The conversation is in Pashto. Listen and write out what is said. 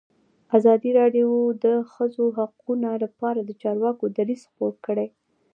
ازادي راډیو د د ښځو حقونه لپاره د چارواکو دریځ خپور کړی.